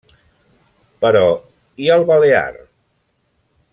Però, i el balear?